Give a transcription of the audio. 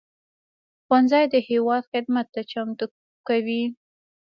ښوونځی د هېواد خدمت ته چمتو کوي